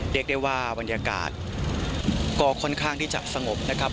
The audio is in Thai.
เรียกได้ว่าบรรยากาศก็ค่อนข้างที่จะสงบนะครับ